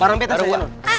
bareng beta saja nona